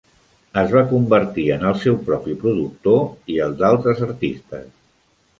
Es va convertir en el seu propi productor i el d'altres artistes.